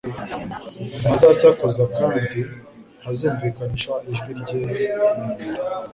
ntazasakuza, kandi ntazumvikanisha ijwi rye mu nzira.